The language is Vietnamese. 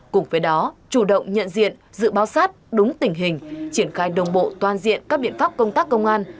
cùng với đó chủ động nhận diện dự báo sát đúng tình hình triển khai đồng bộ toàn diện các biện pháp công tác công an